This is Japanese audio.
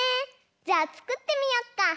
じゃあつくってみよっか！